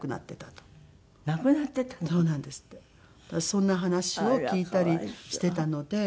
そんな話を聞いたりしていたので。